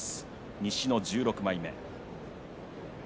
西の１６枚目。